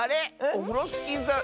オフロスキーさん